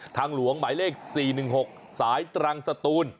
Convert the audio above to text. ทางหลวงหมายเลข๔๑๖สายตรังสตูน